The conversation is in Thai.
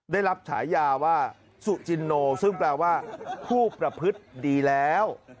ได้รับฉายาว่าสุจินโนซึ่งแปลว่าผู้ประพฤติดีแล้ว